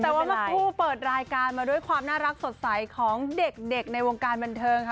แต่ว่าทั้งคู่เปิดรายการมาด้วยความน่ารักสดใสของเด็กในวงการบันเทิงค่ะ